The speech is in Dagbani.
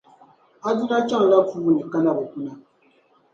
Aduna chaŋla puuni ka na bi kuna.